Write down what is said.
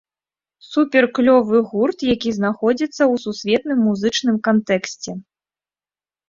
Супер-клёвы гурт, які знаходзіцца ў сусветным музычным кантэксце.